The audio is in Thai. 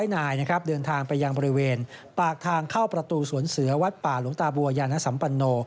นายนะครับเดินทางไปยังบริเวณปากทางเข้าประตูสวนเสือวัดป่าหลวงตาบัวยานสัมปันโน